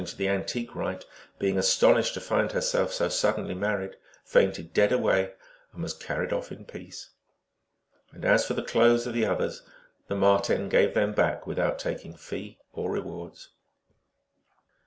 143 to the antique rite, being astonished to find herself so suddenly married, fainted dead away, and was carried off in peace. And as for the clothes of the others, the Marten gave them back without taking fee or re wards.